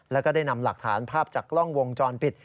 แล้วก็ได้นำหลักฐานภาพจากกล้องวงจรปิด